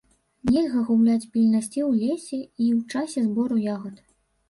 Нельга губляць пільнасць і ў лесе, у часе збору ягад.